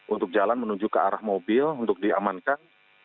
untuk jalan menuju ke arah mobil untuk diamankan